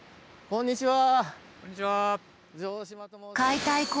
こんにちは。